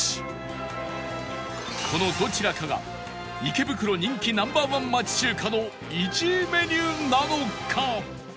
このどちらかが池袋人気 Ｎｏ．１ 町中華の１位メニューなのか？